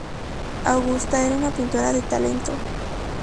Augusta era una pintora de talento.